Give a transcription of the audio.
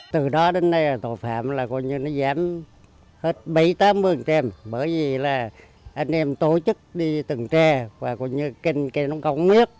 từ đó đến nay tội phạm giảm hết bảy mươi tám mươi bởi vì anh em tổ chức đi từng tre và kênh kênh nó không biết